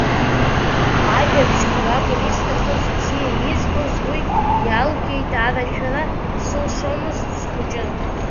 Ажәабжьқәа ракәын исҭахыз, бзиа избоз, уи иалгеит, арашәара сылшомызт, схәыҷын.